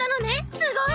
すごい！